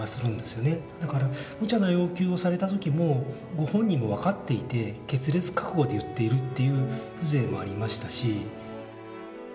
だから無茶な要求をされた時もご本人も分かっていて決裂覚悟で言っているという風情もありましたし。